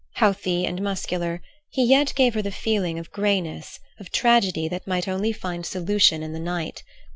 Healthy and muscular, he yet gave her the feeling of greyness, of tragedy that might only find solution in the night.